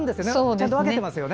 ちゃんと分けていますよね。